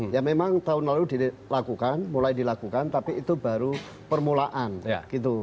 ya memang tahun lalu dilakukan mulai dilakukan tapi itu baru permulaan gitu